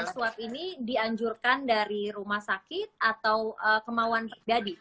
swab ini dianjurkan dari rumah sakit atau kemauan terjadi